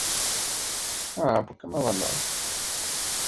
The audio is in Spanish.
A consecuencia de la lesión, Josh Koscheck reemplazó a Saunders.